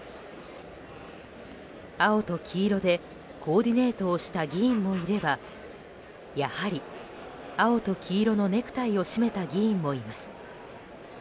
青と黄色でコーディネートをした議員もいればやはり青と黄色のネクタイを締めた議員もいます。